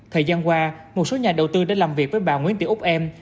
thời gian qua một số nhà đầu tư đã làm việc với bà nguyễn tị úc em